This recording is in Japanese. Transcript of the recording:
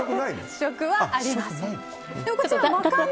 試食はありません。